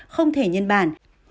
không thể nhân bản